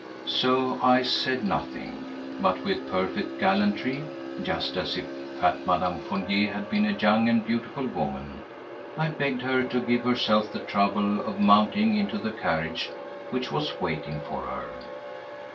So I said nothing; but with perfect gallantry, just as if fat Mme. Fournier had been a young and beautiful woman, I begged her to give herself the trouble of mounting into the carriage which was waiting for her.